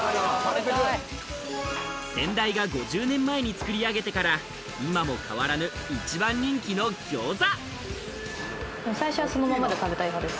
先代が５０年前に作り上げてから今も変わらぬ一番人気のぎょうざ！